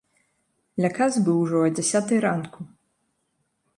Ля кас быў ужо а дзясятай ранку.